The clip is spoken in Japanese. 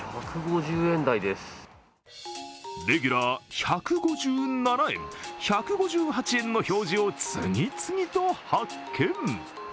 レギュラー１５７円、１５８円の表示を次々と発見。